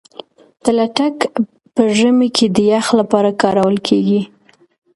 تلتک په ژمي کي د يخ لپاره کارول کېږي.